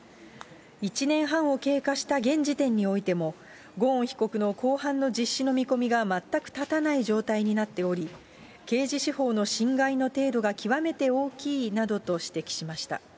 １年半を経過した現時点においても、ゴーン被告の公判の実施の見込みが全く立たない状態になっており、刑事司法の侵害の程度が極めて大きいなどと指摘しました。